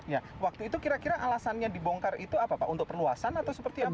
ya waktu itu kira kira alasannya dibongkar itu apa pak untuk perluasan atau seperti apa